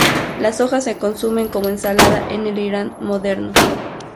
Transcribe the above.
Las hojas se consumen como ensalada en el Irán moderno.